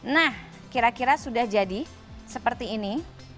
nah kira kira sudah jadi seperti ini